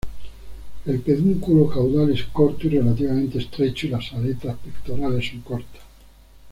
El pedúnculo caudal es corto y relativamente estrecho y las aletas pectorales son cortas.